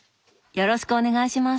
よろしくお願いします。